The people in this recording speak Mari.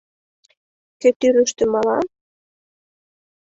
Кӧ тӱрыштӧ мала